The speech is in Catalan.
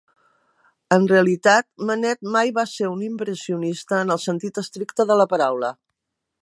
En realitat, Manet mai va ser un impressionista en el sentit estricte de la paraula.